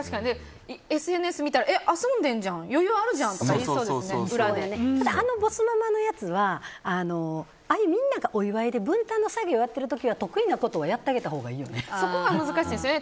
ＳＮＳ見たら遊んでんじゃん余裕あんじゃんとかあのボスママのやつはみんながお祝いで分担の作業をやってる時は得意なことをそこが難しいんですよね。